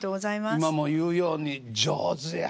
今も言うように上手やあ。